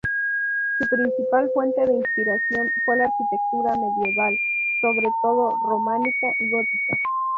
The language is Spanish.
Su principal fuente de inspiración fue la arquitectura medieval, sobre todo románica y gótica.